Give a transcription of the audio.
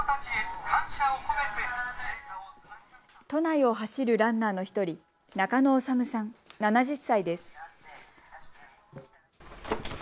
都内を走るランナーの１人、中野修さん、７０歳です。